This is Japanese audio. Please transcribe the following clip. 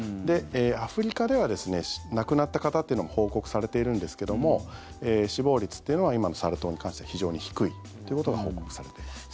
アフリカでは亡くなった方というのも報告されているんですけども死亡率というのは今のサル痘に関しては非常に低いということが報告されています。